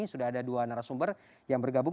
sudah ada dua narasumber yang bergabung